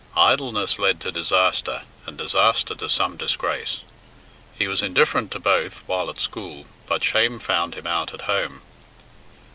Idleness led to disaster, and disaster to some disgrace. He was indifferent to both while at school, but shame found him out at home.